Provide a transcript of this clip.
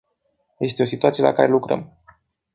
Este o situație la care lucrăm.